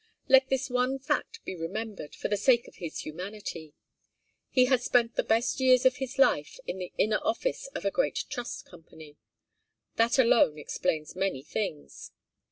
Let this one fact be remembered, for the sake of his humanity. He had spent the best years of his life in the inner office of a great Trust Company. That alone explains many things.